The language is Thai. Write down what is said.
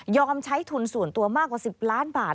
ใช้ทุนส่วนตัวมากกว่า๑๐ล้านบาท